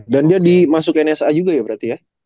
dan dia dimasuk nsa juga ya berarti ya